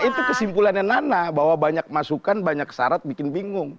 itu kesimpulannya nana bahwa banyak masukan banyak syarat bikin bingung